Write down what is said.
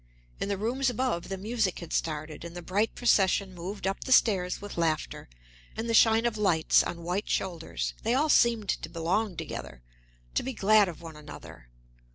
In the rooms above the music had started, and the bright procession moved up the stairs with laughter and the shine of lights on white shoulders; they all seemed to belong together, to be glad of one another.